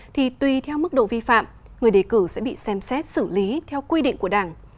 thì tùy theo mức độ vi phạm người đề cử sẽ bị xem xét xử lý theo quy định của đảng